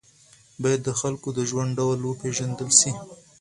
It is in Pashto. باید د خلکو د ژوند ډول وپېژندل سي.